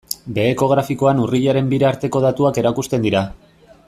Beheko grafikoan urriaren bira arteko datuak erakusten dira.